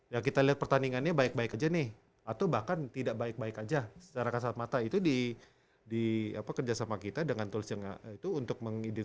ya kita lihat pertandingannya baik baik aja nih atau bahkan tidak baik baik aja secara kasat mata itu di kerjasama kita dengan tools yang itu untuk mengidentifikasi